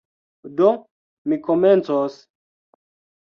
Do, mi komencos.